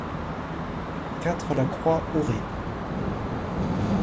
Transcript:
quatre la Croix Auray